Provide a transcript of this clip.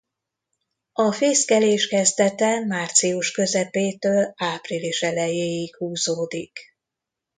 A fészkelés kezdete március közepétől április elejéig húzódik.